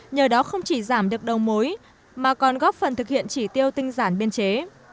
nhờ đó không chỉ giảm được đầu mối mà còn góp phần thực hiện chỉ tiêu tinh giản biên chế